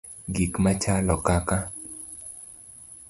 Gik machalo kaka